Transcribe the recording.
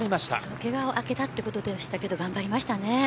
けが明けということでしたが頑張りましたね。